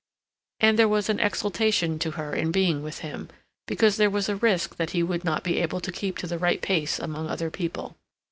And there was an exaltation to her in being with him, because there was a risk that he would not be able to keep to the right pace among other people.